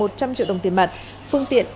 một trăm linh triệu đồng tiền mặt phương tiện